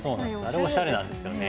あれおしゃれなんですよね。